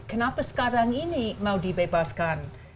kenapa sekarang ini mau dibebaskan